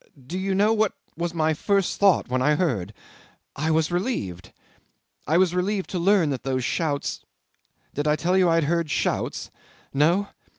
"Do you know what was my first thought when I heard? I was relieved. I was relieved to learn that those shouts did I tell you I had heard shouts? No?